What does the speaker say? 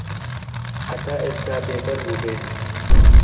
هەتا ئێستا بێبەر بووبێ